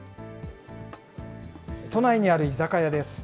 都内にある居酒屋です。